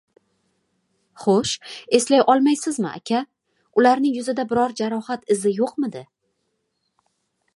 — Xo‘sh, eslay olmaysizmi, aka, ularning yuzida biron jarohat izi yo‘qmidi?